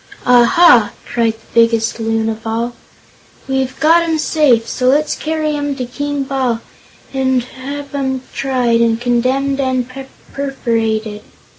"Aha!" cried the biggest Loon of all; "we've got 'em safe; so let's carry 'em to King Bal and have 'em tried, and condemned and perforated!"